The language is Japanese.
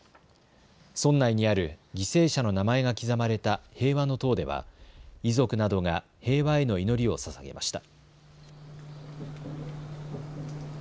村内にある犠牲者の名前が刻まれた平和之塔では遺族などが平和への祈りをささげました。